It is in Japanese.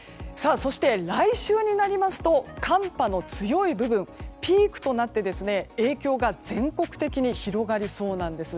そして来週になりますと寒波の強い部分がピークとなって影響が全国的に広がりそうなんです。